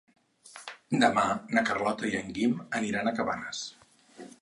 Demà na Carlota i en Guim aniran a Cabanes.